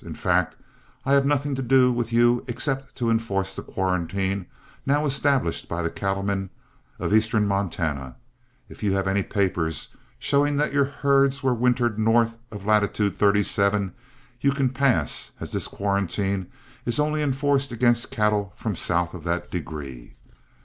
In fact I have nothing to do with you except to enforce the quarantine now established by the cattlemen of eastern Montana. If you have any papers showing that your herds were wintered north of latitude 37, you can pass, as this quarantine is only enforced against cattle from south of that degree.